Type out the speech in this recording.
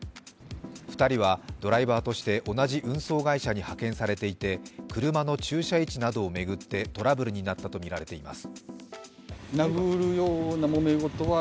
２人はドライバーとして同じ運送会社に派遣されていて、車の駐車位置などを巡ってトラブルになったとみられています。